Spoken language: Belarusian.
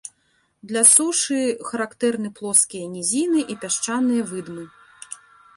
Для сушы характэрны плоскія нізіны і пясчаныя выдмы.